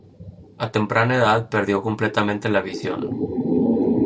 A temprana edad perdió completamente la visión.